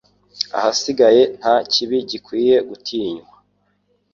ahasigaye nta kibi gikwiye gutinywa